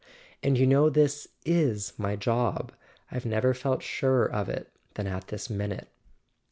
And you know this is my job; I've never been surer of it than at this minute."